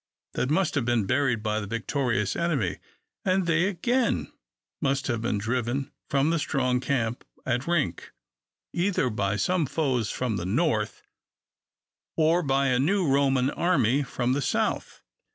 That must have been buried by the victorious enemy; and they, again, must have been driven from their strong camp at Rink, either by some foes from the north, or by a new Roman army from the south.